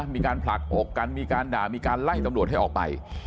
มีการผลักอกกันมีการด่ามีการไล่ตำรวจให้ออกไป